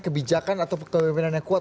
kebijakan atau kepemimpinan yang kuat